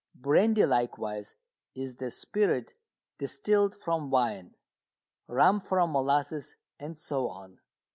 Brandy, likewise, is the spirit distilled from wine, rum from molasses, and so on.